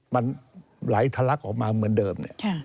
มันไหลทะเลาะออกมาเหมือนเดิม